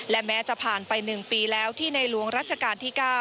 และแม้จะผ่านไป๑ปีแล้วที่ในหลวงรัชกาลที่๙